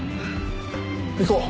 行こう。